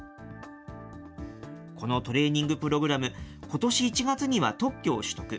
このトレーニングプログラム、ことし１月には特許を取得。